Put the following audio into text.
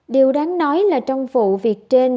điều đáng nói là trong vụ việc trên